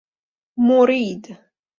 مرید